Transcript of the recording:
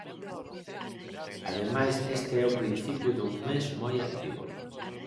Ademais este é o principio dun mes moi activo.